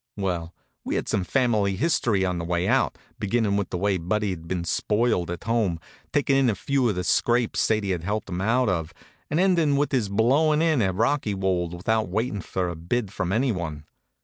Well, we had some family history on the way out, beginnin' with the way Buddy'd been spoiled at home, takin' in a few of the scrapes Sadie had helped him out of, and endin' with his blowin' in at Rockywold without waitin' for a bid from anyone.